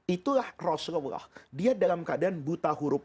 itulah rasulullah dia dalam keadaan buta huruf